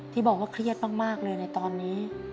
ที่บอกว่าเครียดมากเลยในตอนนี้